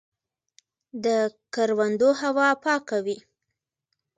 د کروندو هوا پاکه وي.